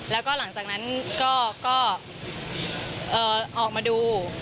แล้วก็หลังจากนั้นก็ออกมาดู